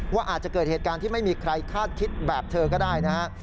ว่าอาจจะเกิดเหตุการณ์ที่ไม่มีใครคาดคิดแบบเธอก็ได้นะฮะ